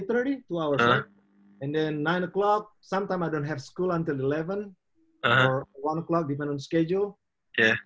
kadang kadang saya tidak ada sekolah sampai sebelas atau satu bergantung pada skedule